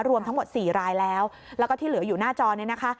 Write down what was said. รวมทั้งหมด๔รายแล้วแล้วก็ที่เหลืออยู่หน้าจอนี้นะคะ